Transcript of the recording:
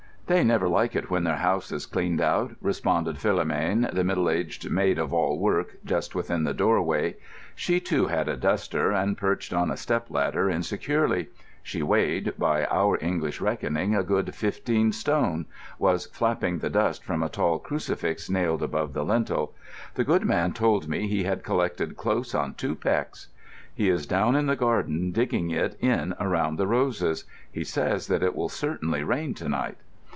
"They never like it when their house is cleaned out," responded Philomène, the middle aged maid of all work, just within the doorway. She, too, had a duster and, perched on a step ladder insecurely—she weighed, by our English reckoning, a good fifteen stone—was flapping the dust from a tall crucifix nailed above the lintel. "The good man told me he had collected close on two pecks." "He is down in the garden digging it in around the roses. He says that it will certainly rain to night."